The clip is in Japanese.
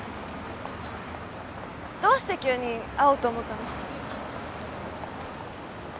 どうして急に会おうと思ったの？